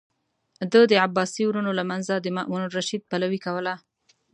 ده د عباسي ورونو له منځه د مامون الرشید پلوي کوله.